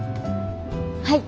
はい。